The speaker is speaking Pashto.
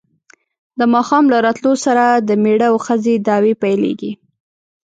د ماښام له راتلو سره د مېړه او ښځې دعوې پیلېږي.